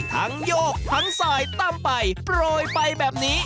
ทั้งโยกทั้งสายตำไปปล่อยไปแบบนี้